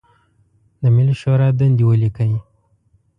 د ملي شورا دندې ولیکئ.